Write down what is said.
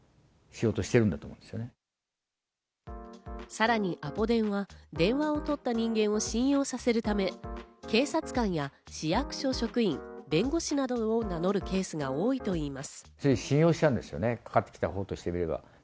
さらにアポ電は電話を取った人間を信用させるため、警察官や市役所職員、弁護士などを名乗るケースが多いといいます。